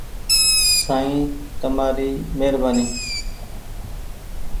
سائين تمآري مهربآني ۔